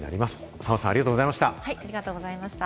澤さん、ありがとうございました。